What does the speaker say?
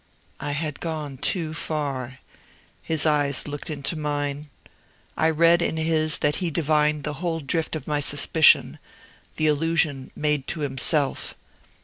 I had gone too far. His eyes looked into mine. I read in his that he divined the whole drift of my suspicion the allusion made to himself.